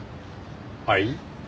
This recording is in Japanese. はい？